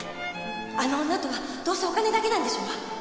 あの女とはどうせお金だけなんでしょ？